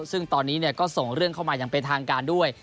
ซึ่งตอนนี้ก็ส่งเรื่องเข้ามาอย่างเป็นทางการด้วย